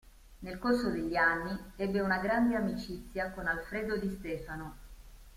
Nel corso degli anni ebbe una grande amicizia con Alfredo Di Stéfano.